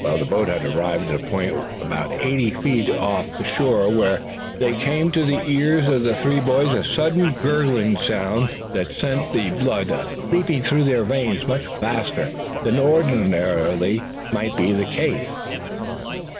The boat had arrived at a point within about eighty feet of the shore when there came to the ears of the three boys a sudden gurgling sound that sent the blood leaping through their veins much faster than ordinarily might be the case.